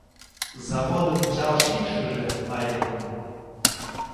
Заводын чал шикшыже лайыкын